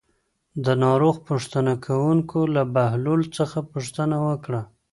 د ناروغ پوښتنه کوونکو له بهلول څخه پوښتنه وکړه.